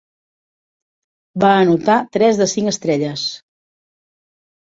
Va anotar tres de cinc estrelles.